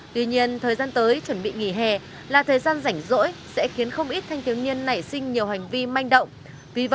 tuy nhiên thời gian tới chuẩn bị nghỉ hè là thời gian rảnh rỗi sẽ khiến không ít thanh thiếu nhiên nảy sinh nhiều hành vi manh động